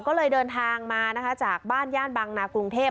ก็เลยเดินทางมานะคะจากบ้านย่านบางนากรุงเทพ